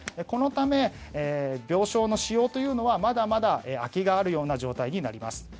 このため病床の使用というのはまだまだ空きがあるような状態になります。